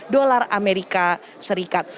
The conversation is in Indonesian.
dolar amerika serikat